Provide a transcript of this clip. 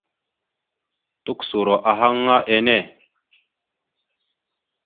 Tukəsoro ahaŋ aŋa enne.